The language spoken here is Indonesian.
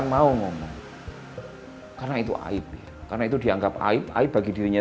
saya tetap berdoa